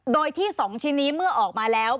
โดยที่๒ชิ้นนี้เมื่อออกมาแล้ว